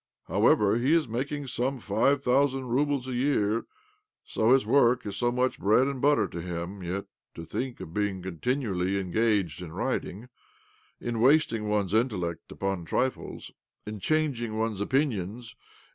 However, he is making some five thousand roubles a year, so his work is so much bread and butter to him. Yet to think of being continually en gaged in writing, in wasting one's intellect upon trifles, in changing one's opinions, in ' A smart restaurant in Petrograd.